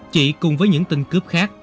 chị cùng với những tinh cướp khác